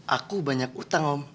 aku banyak utang om